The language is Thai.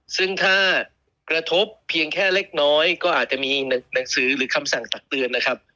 ซึ่งถ้ากระทบเพียงแค่เล็กน้อยก็อาจจะมีหนังสือหรือคำสั่งตักเตือนนะครับ